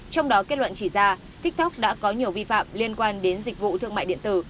trong đó kết luận chỉ ra tiktok đã có nhiều vi phạm liên quan đến dịch vụ thương mại điện tử